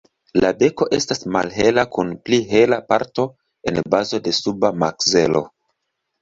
La beko estas malhela kun pli hela parto en bazo de suba makzelo.